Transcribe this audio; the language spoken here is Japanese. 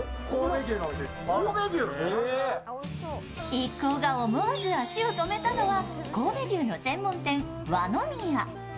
一行が思わず足を止めたのは神戸牛の専門店、和ノ宮。